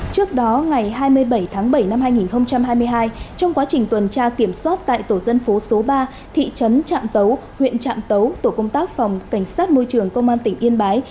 trước đó ngày hai mươi bảy tháng bảy năm hai nghìn hai mươi hai trong quá trình tuần tra kiểm soát tại tổ dân phố số ba thị trấn trạm tấu huyện trạm tấu tổ công tác phòng cảnh sát môi trường công an tỉnh yên bái